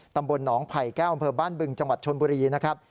ตำบลหนองไผ่แก้วอำเภอบ้านบึงจังหวัดชนบุรีนะครับ